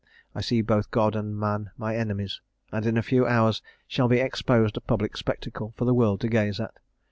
I see both God and man my enemies, and in a few hours shall be exposed a public spectacle for the world to gaze at.